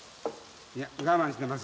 いや我慢してます。